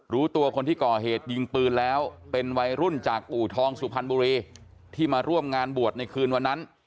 รู้ตัวคนที่ก่อเหตุยิงปืนแล้วเป็นวัยรุ่นจากอู่ทองสุพรรณบุรีที่มาร่วมงานบวชในคืนวันนั้น